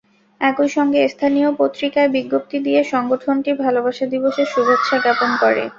একই সঙ্গে স্থানীয় পত্রিকায় বিজ্ঞপ্তি দিয়ে সংগঠনটি ভালোবাসা দিবসের শুভেচ্ছা জ্ঞাপন করে।